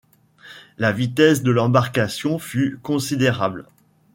La vitesse de l’embarcation fut considérable.